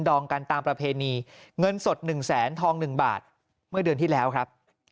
องกันตามประเพณีเงินสด๑แสนทอง๑บาทเมื่อเดือนที่แล้วครับ